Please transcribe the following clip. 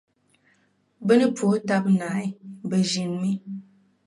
Bɛ ni puhi taba naai, bɛ ʒinimi.